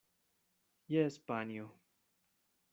Jes, panjo.